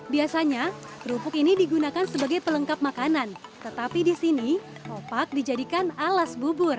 biasanya kerupuk ini digunakan sebagai pelengkap makanan tetapi di sini opak dijadikan alas bubur